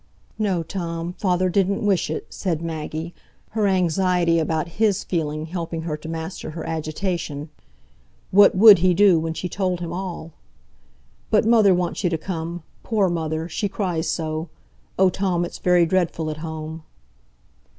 "No, Tom, father didn't wish it," said Maggie, her anxiety about his feeling helping her to master her agitation. What would he do when she told him all? "But mother wants you to come,—poor mother!—she cries so. Oh, Tom, it's very dreadful at home."